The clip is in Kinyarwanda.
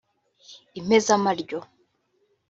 impezamaryo